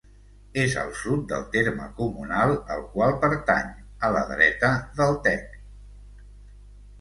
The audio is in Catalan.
És al sud del terme comunal al qual pertany, a la dreta del Tec.